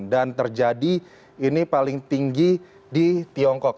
dan terjadi ini paling tinggi di tiongkok